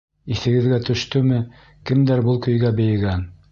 Иҫегеҙгә төштөмө, кемдәр был көйгә бейегән?